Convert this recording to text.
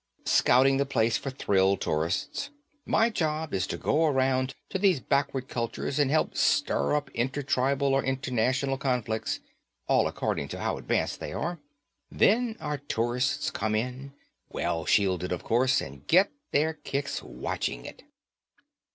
"Scouting the place for thrill tourists. My job is to go around to these backward cultures and help stir up inter tribal, or international, conflicts all according to how advanced they are. Then our tourists come in well shielded, of course and get their kicks watching it."